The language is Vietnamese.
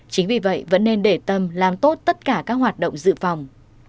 chính vì vậy vẫn nên để tâm làm tốt tất cả các hoạt động dự phòng